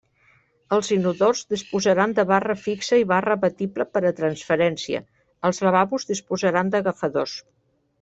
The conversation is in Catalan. Els inodors disposaran de barra fixa i barra abatible per a transferència, els lavabos disposaran d'agafadors.